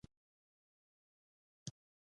هغه په دې غار کې پټ شو او ځان یې ورک کړ